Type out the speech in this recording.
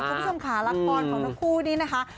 ผู้ชมขารักษ์คล่อนของนักคู่นี้นะคะ